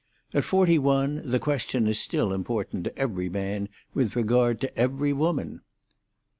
At forty one the question is still important to every man with regard to every woman.